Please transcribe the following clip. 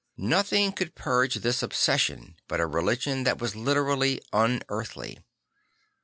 Nothing could purge this obsession but a religion that was literally unearthly.